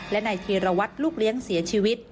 และนายธีรวัตรลูกเลี้ยงเสียชีวิต